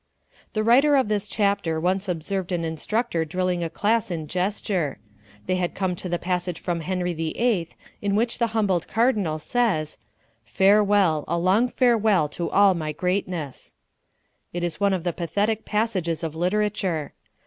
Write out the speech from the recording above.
The writer of this chapter once observed an instructor drilling a class in gesture. They had come to the passage from Henry VIII in which the humbled Cardinal says: "Farewell, a long farewell to all my greatness." It is one of the pathetic passages of literature.